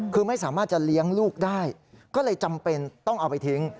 คือไม่สามารถจะเลี้ยงลูกได้ก็เลยจำเป็นต้องเอาไปทิ้ง